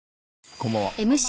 こんばんは。